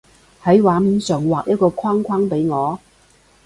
喺畫面上畫一個框框畀我